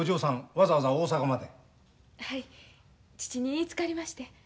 父に言いつかりまして。